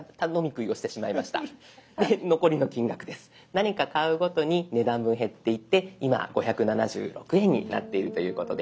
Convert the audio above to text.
何か買うごとに値段分減っていって今５７６円になっているということです。